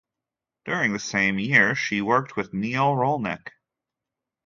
During the same year, she worked with Neil Rolnick.